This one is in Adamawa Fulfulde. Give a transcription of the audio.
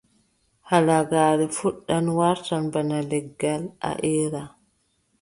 Halagaare fuɗɗan waata bana legal, a eera.